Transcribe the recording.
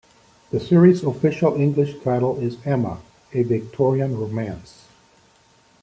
The series' official English title is "Emma - A Victorian Romance".